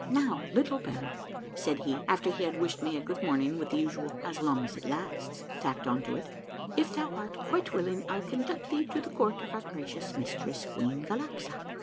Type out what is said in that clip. " Now, little baron," said he, after he had wished me a good morning with the usual " as long as it lasts " tacked to it, " if thou art quite willing, I'll conduct thee to the court of our gra cious mistress, Queen Galaxa.